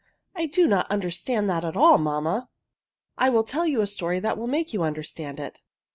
I do not understand that at all, mamma." I will tell you a story that will make you understand it."